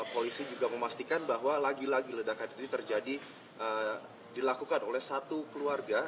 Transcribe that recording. polisi juga memastikan bahwa lagi lagi ledakan ini terjadi dilakukan oleh satu keluarga